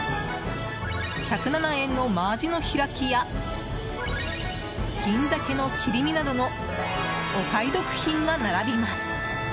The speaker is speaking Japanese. １０７円の真アジの開きや銀ザケの切り身などのお買い得品が並びます。